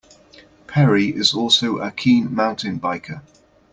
Perry is also a keen mountain biker.